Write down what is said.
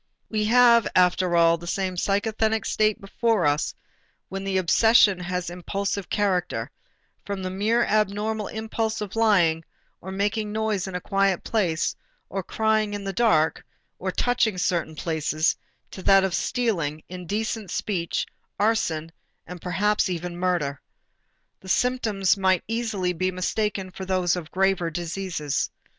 We have after all the same psychasthenic state before us when the obsession has impulsive character, from the mere abnormal impulse of lying, or making noise in a quiet place or crying in the dark, or touching certain places, to that of stealing, indecent speech, arson, and perhaps even murder. The symptoms might easily be mistaken for those of graver diseases.